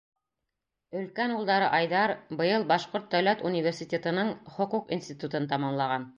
Өлкән улдары Айҙар быйыл Башҡорт дәүләт университетының Хоҡуҡ институтын тамамлаған.